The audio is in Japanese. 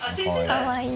かわいい。